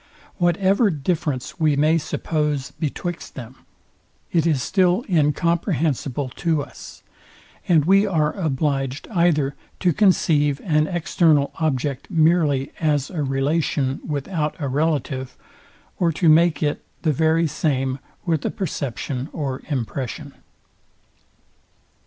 Whatever difference we may suppose betwixt them, it is still incomprehensible to us; and we are obliged either to conceive an external object merely as a relation without a relative, or to make it the very same with a perception or impression.